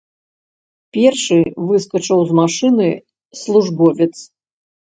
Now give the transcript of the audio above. Першы выскачыў з машыны службовец.